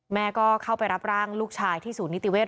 แม่ก็เข้าไปรับร่างลูกชายที่ศูนย์นิติเวศ